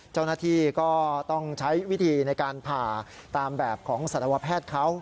เจ้าหน้าที่ก็ต้องใช้วิธีในการผ่าตามแบบของสัตวแพทย์เขา